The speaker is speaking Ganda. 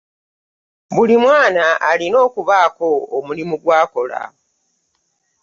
Buli mwana alina okubaako omulimu gw'akola.